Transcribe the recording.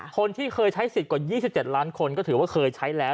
คนที่เคยใช้สิทธิ์กว่า๒๗ล้านคนก็ถือว่าเคยใช้แล้ว